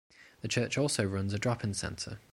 The church also runs a drop-in centre.